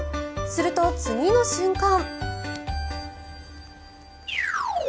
すると、次の瞬間。